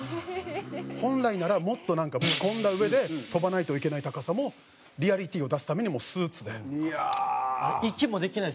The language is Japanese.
本来ならもっとなんか着込んだうえで飛ばないといけない高さもリアリティーを出すためにもうスーツで。できない。